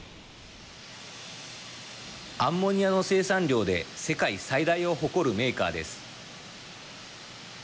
アンモニアの生産量で世界最大を誇るメーカーです。